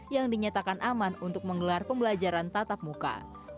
yang dinyatakan aman untuk menggelar pembelajaran tatap muka